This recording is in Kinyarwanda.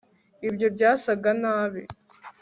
ibyo byasaga nabi